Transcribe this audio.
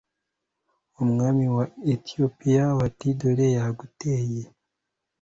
umwami wa etiyopiya bati dore yaguteye